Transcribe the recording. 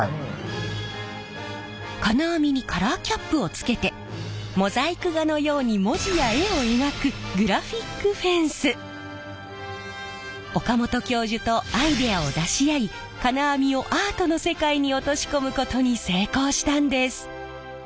金網にカラーキャップをつけてモザイク画のように文字や絵を描く岡本教授とアイデアを出し合い金網をアートの世界に落とし込むことに成功したんです！